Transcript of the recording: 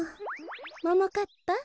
ももかっぱ